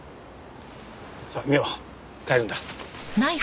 さあ美央帰るんだ。